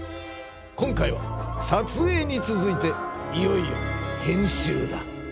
今回は撮影につづいていよいよ編集だ。